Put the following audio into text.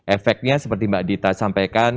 efeknya seperti mbak dita sampaikan